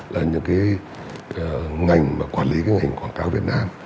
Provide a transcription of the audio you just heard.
là những ngành quản lý ngành quảng cáo việt nam